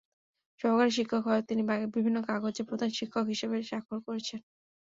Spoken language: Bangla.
সহকারী শিক্ষক হয়েও তিনি বিভিন্ন কাগজে প্রধান শিক্ষক হিসেবে স্বাক্ষর করছেন।